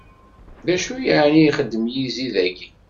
D acu yeɛni ixeddem yizi dayi!